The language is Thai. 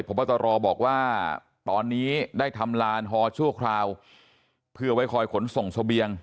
พบตรบอกว่าตอนนี้ได้ทำลานฮอชั่วคราวเพื่อไว้คอยขนส่งเสบียง